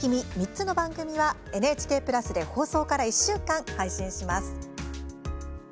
３つの番組はＮＨＫプラスで放送から１週間、配信します。